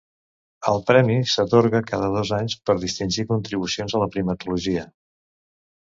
El premi s'atorga cada dos anys per distingir contribucions a la primatologia.